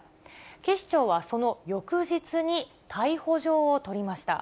警視庁はその翌日に逮捕状を取りました。